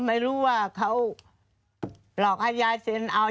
ไม่รู้ว่าเขาหลอกให้ยายเซ็นเอา